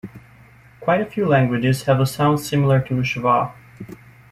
Quite a few languages have a sound similar to schwa.